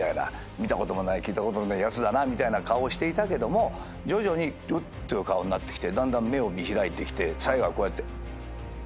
見たこともない聞いたことのねえやつだみたいな顔をしてたけど徐々におっ？っていう顔になってきて目を見開いてきて最後はこうやって。